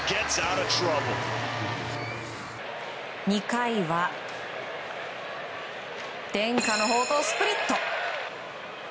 ２回は伝家の宝刀スプリット。